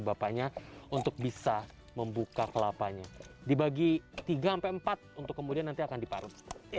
bapaknya untuk bisa membuka kelapanya dibagi tiga empat untuk kemudian nanti akan diparut